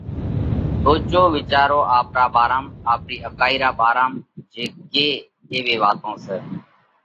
سوچو، وِيچارو آپرا ڀارام، آپرِي اڪائِي را ڀارام جي ڪي ايوي واتون سئہ